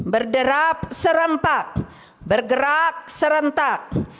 berderap serempak bergerak serentak